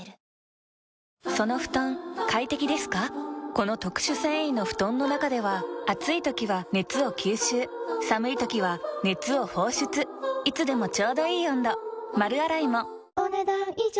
この特殊繊維の布団の中では暑い時は熱を吸収寒い時は熱を放出いつでもちょうどいい温度丸洗いもお、ねだん以上。